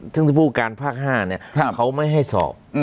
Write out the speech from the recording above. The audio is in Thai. ซึ่งท่านผู้การภาค๕เขาไม่ให้สอบ